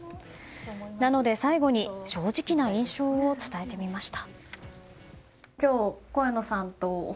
なので最後に正直な印象を伝えてみました。